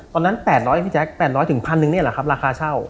ตอนนั้น๘๐๐พี่แจ๊ค๘๐๐นึงเนี่ยแหละครับราคาเช่า